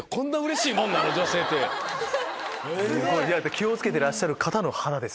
気を付けてらっしゃる方の肌です。